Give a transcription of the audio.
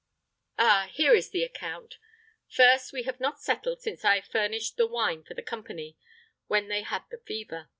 Ah! here is the account. First, we have not settled since I furnished the wine for the companie, when they had the fever.